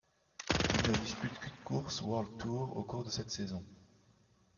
Il ne dispute qu'une course World Tour au cours de cette saison.